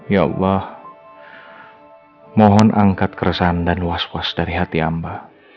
ya allah mohon angkat keresahan dan was was dari hati hamba